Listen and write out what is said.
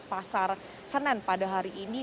pasar senen pada hari ini